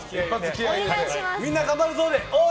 みんな、頑張るぞでオー！